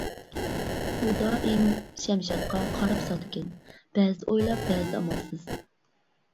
ئۇ دائىم شەمشادقا قاراپ سالىدىكەن، بەزىدە ئويلاپ، بەزىدە ئامالسىز.